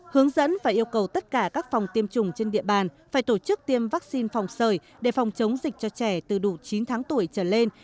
hướng dẫn và yêu cầu tất cả các phòng tiêm chủng trên địa bàn phải tổ chức tiêm vaccine phòng sởi để phòng chống dịch cho trẻ từ đủ chín tháng tuổi trở lên